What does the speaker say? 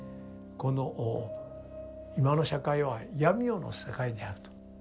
この「今の社会は闇夜の世界である」と。